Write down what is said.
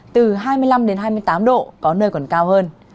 từ hai mươi năm hai mươi tám độ có nơi còn cao hơn